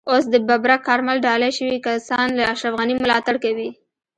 اوس د ببرک کارمل ډالۍ شوي کسان له اشرف غني ملاتړ کوي.